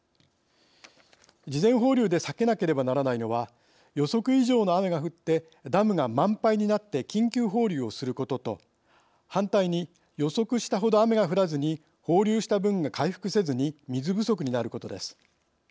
事前放流で避けなければならないのは予測以上の雨が降ってダムが満杯になって緊急放流をすることと反対に予測したほど雨が降らずに放流した分が回復せずに水不足になることです。